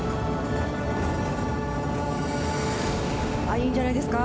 いいんじゃないですか？